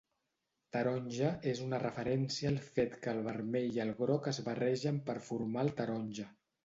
"Taronja" és una referència al fet que el vermell i el groc es barregen per formar el taronja.